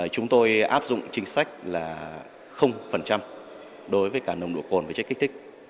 chúng tôi áp dụng chính sách là đối với cả nồng độ cồn và chất kích thích